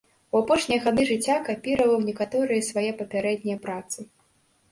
У апошнія гады жыцця капіраваў некаторыя свае папярэднія працы.